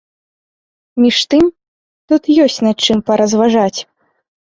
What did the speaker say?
Між тым, тут ёсць на чым паразважаць.